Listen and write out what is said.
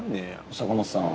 坂本さん。